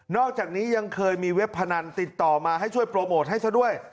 อกจากนี้ยังเคยมีเว็บพนันติดต่อมาให้ช่วยโปรโมทให้ซะด้วย